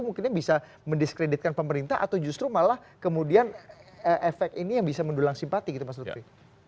mungkin bisa mendiskreditkan pemerintah atau justru malah kemudian efek ini yang bisa mendulang simpati gitu mas lutfi